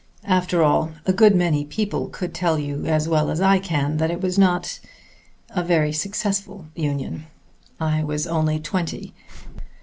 After all, a good many people could tell you as well as I can that it was not ... a very successful union. I was only twenty.